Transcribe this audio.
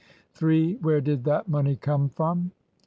Where did that money come from?